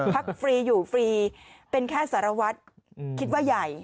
ฟรีอยู่ฟรีเป็นแค่สารวัตรคิดว่าใหญ่